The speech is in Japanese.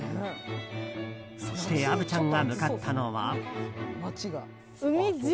そして虻ちゃんが向かったのは。